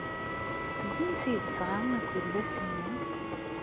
Seg wansi ay d-tesɣa akerbas-nni?